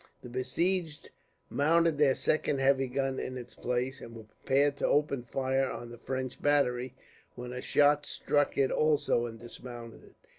The besieged mounted their second heavy gun in its place, and were preparing to open fire on the French battery, when a shot struck it also and dismounted it.